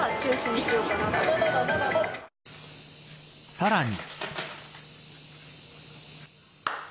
さらに。